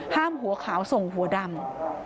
ห้ามหัวขาวส่งหัวดำ